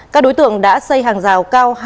các đối tượng đã xây hàng rào cao